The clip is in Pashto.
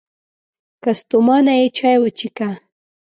که ستومانه یې، چای وڅښه!